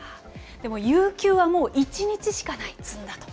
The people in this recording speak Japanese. でも有給はもう１日しかない、積んだ。